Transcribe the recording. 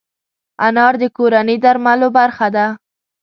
انار د کورني درملو برخه ده.